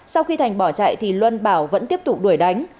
sau khi thành bỏ chạy thì luân bảo vẫn tiếp tục đuổi đánh